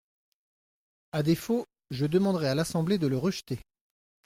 À défaut, je demanderai à l’Assemblée de le rejeter.